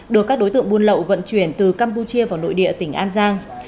đưa các đối tượng buôn lậu vận chuyển từ campuchia vào nội địa tỉnh an giang